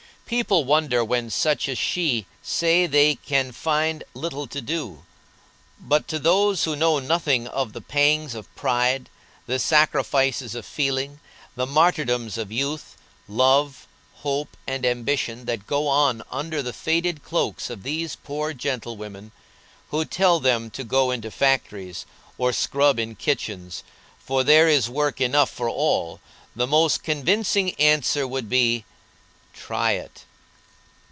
People wonder when such as she say they can find little to do; but to those who know nothing of the pangs of pride, the sacrifices of feeling, the martyrdoms of youth, love, hope, and ambition that go on under the faded cloaks of these poor gentle women, who tell them to go into factories, or scrub in kitchens, for there is work enough for all, the most convincing answer would be, "Try it."